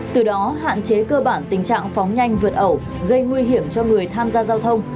từ đó hạn chế cơ bản tình trạng phóng nhanh vượt ẩu gây nguy hiểm cho người tham gia giao thông